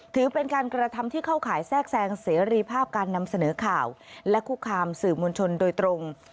ถือเป็นการกระทำที่เข้าข่ายแทรกแทรงเสรีภาพการนำเสนอข่าวและคุกคามสื่อมวลชนโดยตรง